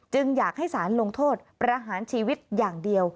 อยากให้สารลงโทษประหารชีวิตอย่างเดียว